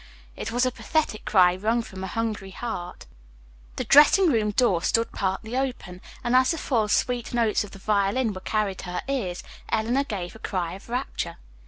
It was a pathetic cry wrung from a hungry heart. The dressing room door stood partly open, and as the full, sweet notes of the violin were carried to her ears, Eleanor gave a cry of rapture.